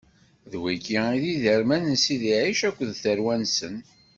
D wigi i d iderman n Sidi Ɛic akked tarwa-nsen.